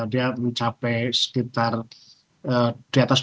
dia mencapai sekitar di atas dua puluh